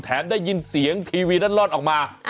แถมได้ยินเสียงทีวีด้านล่อนออกมา